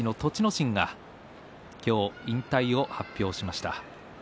心が今日引退を発表しました。